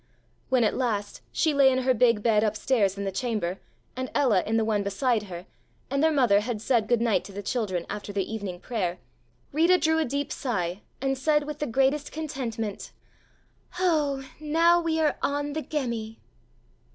When, at last, she lay in her big bed upstairs in the chamber, and Ella in the one beside her, and their mother had said good night to the children after their evening prayer, Rita drew a deep sigh and said with the greatest contentment: "Oh, now we are on the Gemmi!"